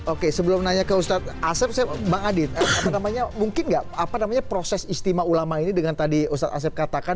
oke sebelum nanya ke ustadz asep bang adit mungkin nggak apa namanya proses istimewa ulama ini dengan tadi ustadz asep katakan